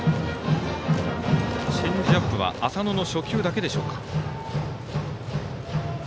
チェンジアップは浅野の初球だけでしょうか。